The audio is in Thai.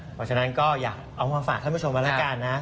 เพราะฉะนั้นก็อยากเอามาฝากท่านผู้ชมกันแล้วกันนะ